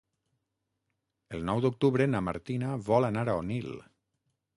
El nou d'octubre na Martina vol anar a Onil.